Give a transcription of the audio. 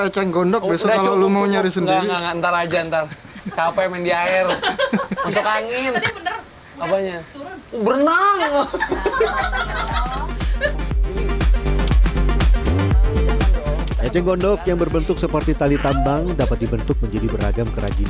cara termudah membuat kerajinan eceng gondok yang kuat mendapat dibentuk menjadi beragam kreasi